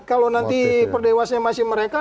kalau nanti per dewasnya masih mereka